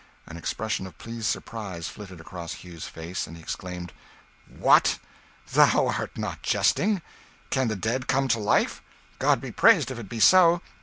An expression of pleased surprise flitted across Hugh's face, and he exclaimed "What! thou art not jesting? can the dead come to life? God be praised if it be so!